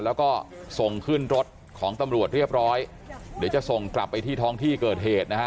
แล้วก็ส่งขึ้นรถของตำรวจเรียบร้อยเดี๋ยวจะส่งกลับไปที่ท้องที่เกิดเหตุนะฮะ